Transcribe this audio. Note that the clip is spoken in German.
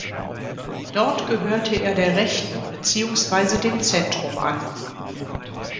Dort gehörte er der Rechten beziehungsweise dem Centrum an.